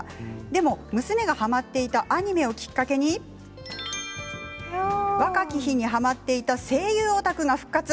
でも、娘がはまっていたアニメをきっかけに若き日にはまっていた声優オタクが復活。